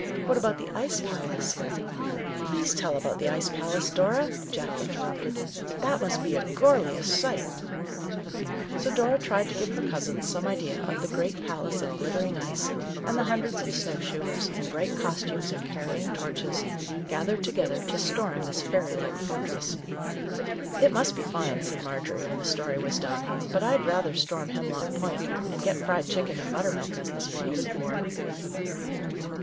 " What about the Ice Palace, and —"" Please tell about the Ice Palace, Dora," Jack interrupted. " That must be a gorlious sight !" Our Little Canadian Cousin 105 So Dora tried to give her cousins some idea of the great palace of glittering ice, and the hundreds of snow shoers, in bright costumes and carrying torches, gathered together to storm this fairylike fortress. " It must be fine," said Marjorie, when the story was done, " but I'd rather storm Hem lock Point, and get fried chicken and butter milk as the spoils of war."